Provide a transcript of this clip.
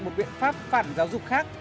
một biện pháp phản giáo dục khác